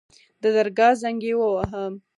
د درګاه زنګ يې وواهه.